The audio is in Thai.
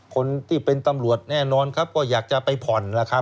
คนที่เป็นตำรวจแน่นอนครับก็อยากจะไปผ่อนแล้วครับ